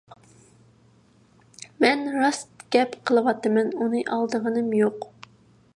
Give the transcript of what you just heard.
مەن راست گەپ قىلىۋاتىمەن، ئۇنى ئالدىغىنىم يوق.